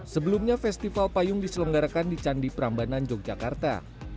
sebelumnya festival payung diselenggarakan di candi prambanan yogyakarta